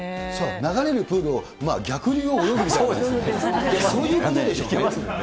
流れるプールを逆に泳ぐみたいな、そういうことでしょうね。